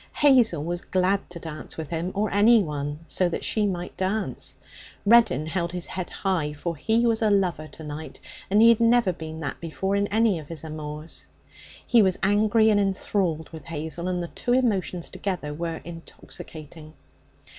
Hazel was glad to dance with him or anyone, so that she might dance. Reddin held his head high, for he was a lover to night, and he had never been that before in any of his amours. He was angry and enthralled with Hazel, and the two emotions together were intoxicating.